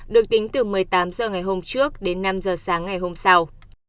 được tính từ một mươi tám h ngày hôm trước đến năm h sáng ngày hôm sau